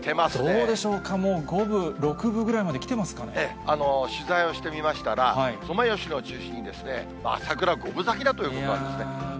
どうでしょうか、もう５分、取材をしてみましたら、ソメイヨシノを中心にですね、桜、５分咲きだということなんですね。